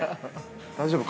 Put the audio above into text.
大丈夫？